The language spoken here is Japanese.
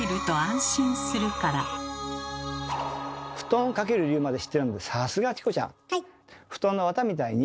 布団をかける理由まで知ってるなんてさすがチコちゃん。